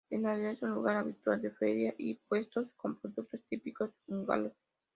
En Navidad es un lugar habitual de ferias y puestos con productos típicos húngaros.